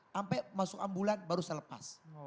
sampai masuk ambulan baru saya lepas